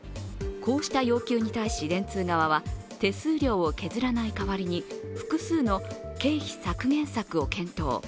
こうした要求に対し、電通側は手数料を削らない代わりに複数の経費削減策を検討。